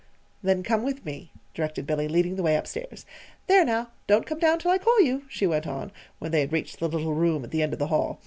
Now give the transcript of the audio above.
"Then come with me," directed Billy, leading the way up stairs. "There, now, don't come down till I call you," she went on, when they had reached the little room at the end of the hall.